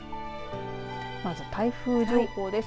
まず、台風情報です。